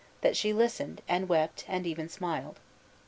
that she listened, and wept, and even smiled.